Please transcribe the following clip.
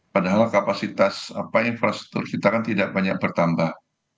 padahal kapasitas infrastruktur kita kan tidak banyak bertambah